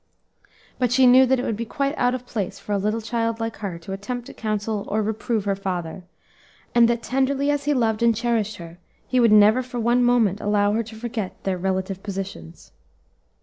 But she knew that it would be quite out of place for a little child like her to attempt to counsel or reprove her father; and that, tenderly as he loved and cherished her, he would never for one moment allow her to forget their relative positions.